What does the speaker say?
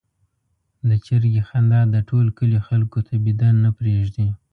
د چرګې خندا د ټول کلي خلکو ته بېده نه پرېږدي.